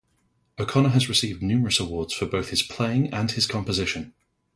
O'Connor has received numerous awards for both his playing and his composition.